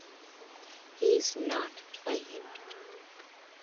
He’s not playing.